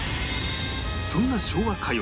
そんな昭和歌謡